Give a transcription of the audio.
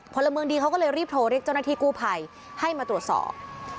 พลเมืองดีเขาก็เลยรีบโทรเรียกเจ้าหน้าที่กู้ภัยให้มาตรวจสอบ